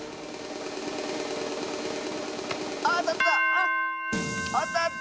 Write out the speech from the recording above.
ああたった！